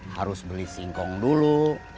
harus beli singkong dulu